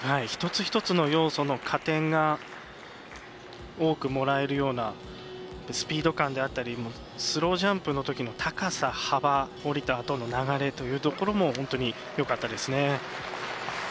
一つ一つの要素の加点が多くもらえるようなスピード感であったりスロージャンプのときの高さ、幅、降りたあとの流れというところも本当によかったですね。